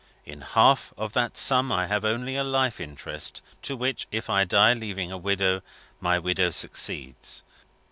In half of that sum I have only a life interest, to which, if I die, leaving a widow, my widow succeeds.